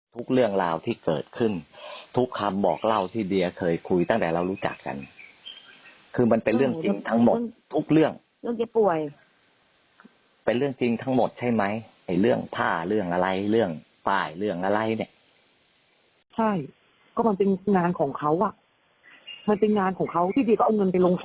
ถ้าถูกถึงในตภาพถ้าก็ต้องโดนด้วย